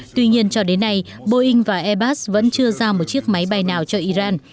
tuy nhiên cho đến nay boeing và airbus vẫn chưa giao một chiếc máy bay nào cho iran